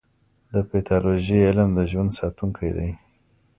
د پیتالوژي علم د ژوند ساتونکی دی.